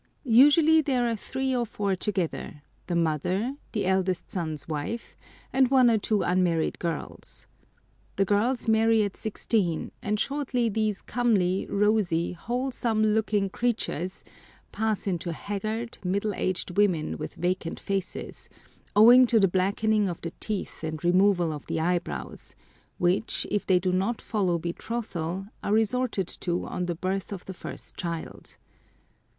Usually there are three or four together—the mother, the eldest son's wife, and one or two unmarried girls. The girls marry at sixteen, and shortly these comely, rosy, wholesome looking creatures pass into haggard, middle aged women with vacant faces, owing to the blackening of the teeth and removal of the eyebrows, which, if they do not follow betrothal, are resorted to on the birth of the first child.